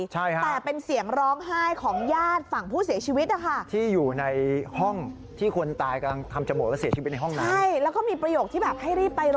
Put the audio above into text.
แต่เป็นเสียงร้องไห้ของญาติฝั่งผู้เสียชีวิตนะคะ